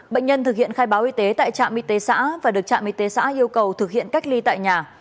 bệnh nhân thực hiện khai báo y tế tại trạm y tế xã và được trạm y tế xã yêu cầu thực hiện cách ly tại nhà